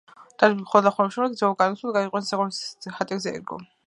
ტიტანების დამხობის შემდეგ ძმებმა ძალაუფლება გაიყვეს და ქვესკნელი ჰადესს ერგო.